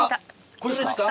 これですか？